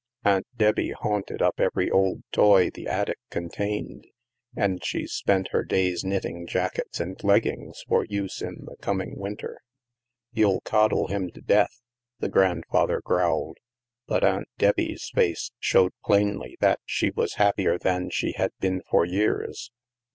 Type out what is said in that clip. Aunt Debbie hunted up every old toy the attic contained, and she spent her days knitting jackets and leggings for use in the coming winter. " You'll coddle him to death," the grandfather growled, but Aunt Debbie's face showed plainly that she was happier than she had been for years.